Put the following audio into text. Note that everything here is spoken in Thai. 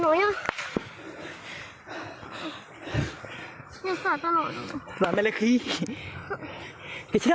นั่งทรอปพอกก่อน